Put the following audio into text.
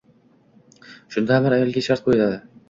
Shunda amir ayolga shart qoʻyadi.